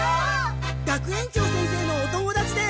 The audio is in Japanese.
学園長先生のお友達で。